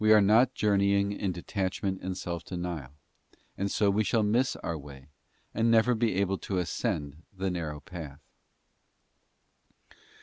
are not journeying in detachment and self denial, and so we shall miss our way, and never be able to ascend the narrow path.